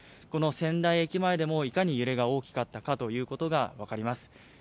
この仙台駅までもいかに揺れが大きかったが分かります。